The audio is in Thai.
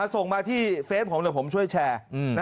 ส่งมาที่เฟซของเราผมช่วยแชร์